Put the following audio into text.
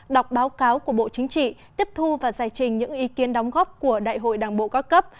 đọc báo cáo của bộ chính trị tiếp thu và giải trình những ý kiến đóng góp của đại hội đảng bộ cao cấp